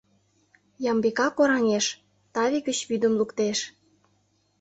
Ямбика кораҥеш, таве гыч вӱдым луктеш.